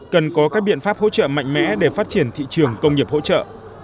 cần có các biện pháp hỗ trợ mạnh mẽ để phát triển thị trường công nghiệp hỗ trợ